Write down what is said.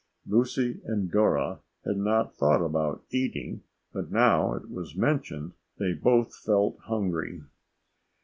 Lucy and Dora had not thought about eating, but now it was mentioned, they both felt hungry.